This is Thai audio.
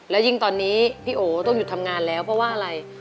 และยิ่งตอนนี้พี่โอต้องหยุดทำงานแล้วเพราะว่าอะไร